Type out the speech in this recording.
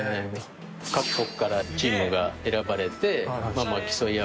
各国からチームが選ばれて競い合う。